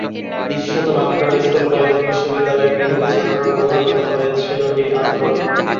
বিশেষত নামকরা school college বিশ্ববিদ্যালয়ের মেধাবী ছাত্ররা প্রভাবিত হয়েছিল এই আন্দোলনে।